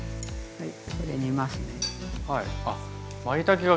はい。